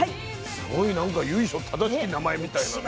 すごい何か由緒正しき名前みたいなね